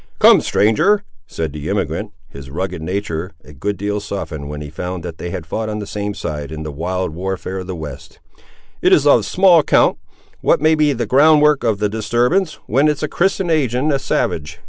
"Come, stranger," said the emigrant, his rugged nature a good deal softened when he found that they had fought on the same side in the wild warfare of the west, "it is of small account, what may be the ground work of the disturbance, when it's a Christian ag'in a savage.